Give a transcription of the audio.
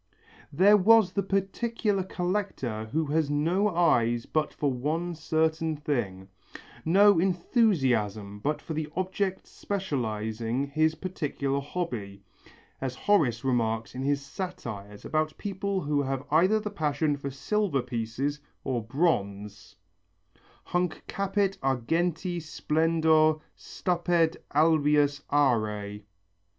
There was the particular collector who has no eyes but for one certain thing, no enthusiasm but for the objects specializing his particular hobby, as Horace remarks in his "Satires" about people who have either the passion for silver pieces or bronzes: Hunc capit argenti splendor, stupet Albius are.